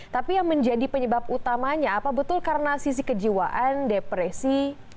tapi yang menjadi penyebab utamanya apa betul karena sisi kejiwaan depresi